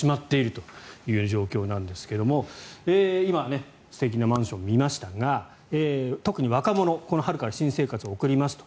政策によって二極化になっているという状況ですが今、素敵なマンションを見ましたが特に若者この春から新生活を送りますと。